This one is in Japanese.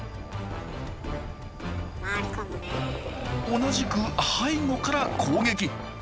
同じく背後から攻撃。